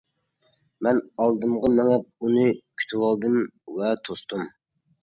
مەن ئالدىمغا مېڭىپ ئۇنى كۈتۈۋالدىم ۋە توستۇم.